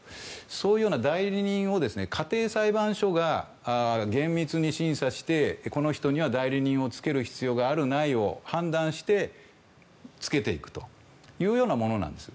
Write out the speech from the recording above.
そういうような代理人を家庭裁判所が厳密に審査してこの人には代理人をつける必要がある、ないを判断してつけていくというものなんです。